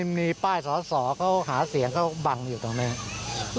อันนี้ผู้หญิงบอกว่าช่วยด้วยหนูไม่ได้เป็นอะไรกันเขาจะปั้มหนูอะไรอย่างนี้